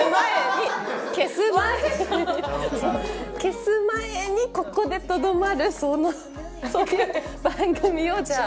消す前にここでとどまるそういう番組をじゃあ。